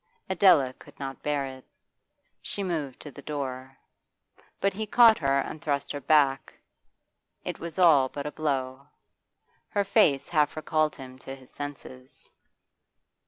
Adela could not bear it; she moved to the door. But he caught her and thrust her back; it was all but a blow. Her face half recalled him to his senses.